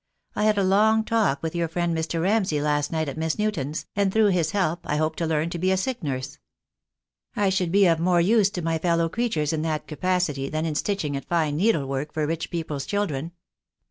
I had a long talk with your friend Mr. Ramsay last night at Miss Newton's, and through his help I hope to learn to be a sick nurse. I should be of more use to my fellow creatures in that capacity than in stitching at fine needlework for rich people's children."